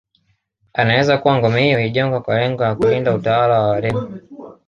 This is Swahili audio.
Anaeleza kuwa ngome hiyo ilijengwa kwa lengo la kulinda utawala wa Wareno